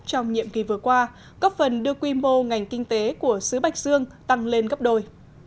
trong nhiệm kỳ vừa qua góp phần đưa quy mô ngành kinh tế của xứ bạch dương tăng lên gấp đôi